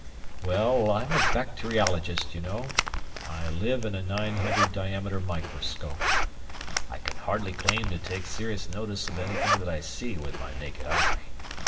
"Well, I'm a bacteriologist, you know. I live in a nine hundred diameter microscope. I can hardly claim to take serious notice of anything that I can see with my naked eye.